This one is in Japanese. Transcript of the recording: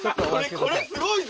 これすごいぞ！